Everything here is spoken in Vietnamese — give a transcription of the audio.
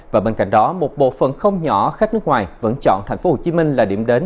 và bên cạnh đó một bộ phận không nhỏ khách nước ngoài vẫn chọn tp hcm là điểm đến